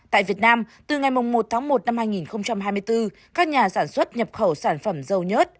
tại việt nam từ ngày một tháng một năm hai nghìn hai mươi bốn các nhà sản xuất nhập khẩu sản phẩm dâu nhớt